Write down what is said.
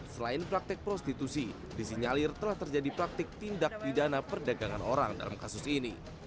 selain praktek prostitusi disinyalir telah terjadi praktik tindak pidana perdagangan orang dalam kasus ini